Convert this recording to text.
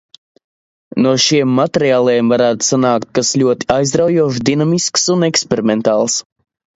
No šiem materiāliem varētu sanākt kas ļoti aizraujošs, dinamisks un eksperimentāls.